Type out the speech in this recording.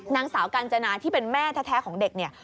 นางสาวกาญจนาที่เป็นแม่แท้ของเด็กเนี่ย